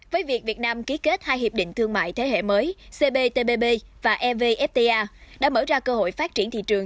với việc việt nam ký kết hai hiệp định thương mại thế hệ mới cptpp và evfta đã mở ra cơ hội phát triển thị trường